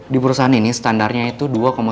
di perusahaan ini standarnya itu dua tujuh puluh lima